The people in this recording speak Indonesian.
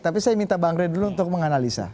tapi saya minta bang rey dulu untuk menganalisa